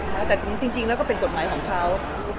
แต่จริงแล้วก็เป็นกฎหมายของเขา